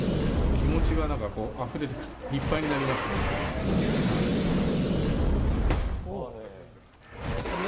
気持ちがあふれてきて、いっぱいになりますね、やっぱりね。